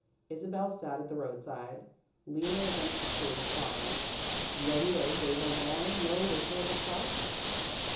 Isabel sat at the roadside, leaning against a tree, sobbing. Romeo gave a long, low whistle of astonishment.